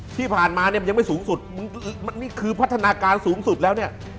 ที่ผ่านมาเนี่ยมันยังไม่สูงสุดนี่คือพัฒนาการสูงสุดแล้วเนี่ย